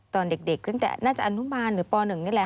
ตอนเด็กตั้งแต่น่าจะอนุบาลหรือป๑นี่แหละ